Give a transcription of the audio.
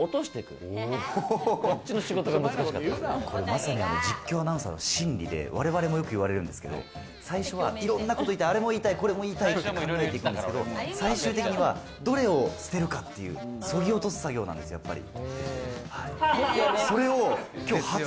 まさに実況アナウンサーの真理で我々もよく言われるんですけど最初はいろんなことあれも言いたい、これも言いたいって考えるんですけど最終的にはどれを捨てるかっていう削ぎ落とす作業なんですよ、やっぱり。